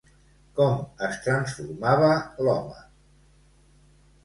Com es transformava l'home?